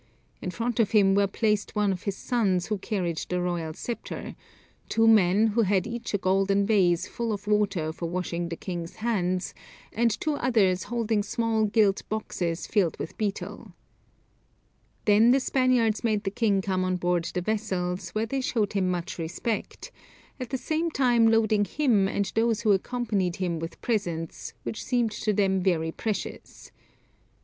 In front of him were placed one of his sons who carried the royal sceptre, two men who had each a golden vase full of water for washing the king's hands, and two others holding small gilt boxes filled with betel." Then the Spaniards made the king come on board the vessels, where they showed him much respect, at the same time loading him and those who accompanied him with presents, which seemed to them very precious.